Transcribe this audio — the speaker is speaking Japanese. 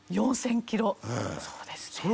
４０００キロそうですね。